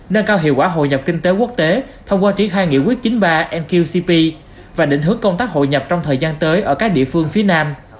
nâng cao hiệu quả hội nhập kinh tế quốc tế thông qua triển khai nghị quyết chín mươi ba nqcp và định hướng công tác hội nhập trong thời gian tới ở các địa phương phía nam